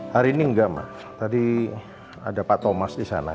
hari ini enggak mbak tadi ada pak thomas di sana